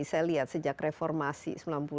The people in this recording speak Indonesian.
saya lihat sejak reformasi sembilan puluh delapan